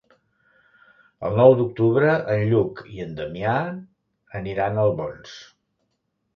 El nou d'octubre en Lluc i en Damià aniran a Albons.